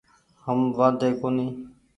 هم وآڌي ڪونيٚ ۔